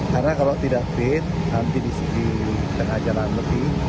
karena kalau tidak fit nanti di segi jalan jalan mudik